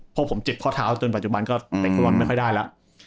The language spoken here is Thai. เพราะผมเจ็บข้อเท้าจนปัจจุบันก็แตกกระวันไม่ค่อยได้ละ